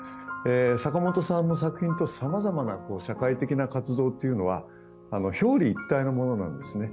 坂本さんの作品とさまざまな社会的な活動というのは、表裏一体のものなんですね。